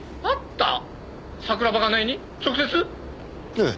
ええ。